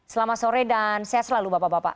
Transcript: selamat sore dan sehat selalu bapak bapak